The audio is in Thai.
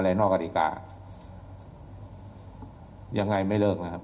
ท่านพรุ่งนี้ไม่แน่ครับ